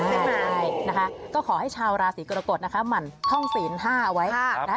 มากมายนะคะก็ขอให้ชาวราศีกรกฎนะคะหมั่นท่องศีล๕เอาไว้นะคะ